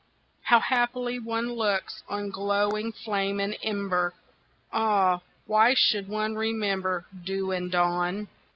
How happily one looks On glowing flame and ember; Ah, why should one remember Dew and dawn!